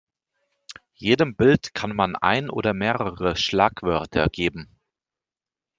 Jedem Bild kann man ein oder mehrere Schlagwörter geben.